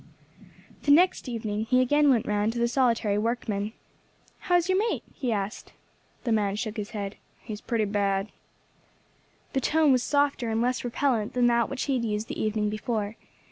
The next evening he again went round to the solitary workman. "How is your mate?" he asked. The man shook his head. "He's pretty bad." The tone was softer and less repellent than that which he had used the evening before.